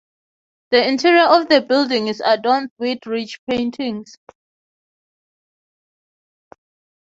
The interior of the building is adorned with rich paintings.